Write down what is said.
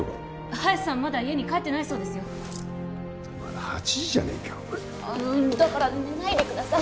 早瀬さんまだ家に帰ってないそうですよまだ８時じゃねえかお前だから寝ないでください